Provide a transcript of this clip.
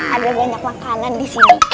ada banyak makanan disini